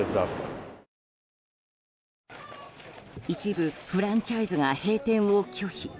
一部フランチャイズが閉店を拒否。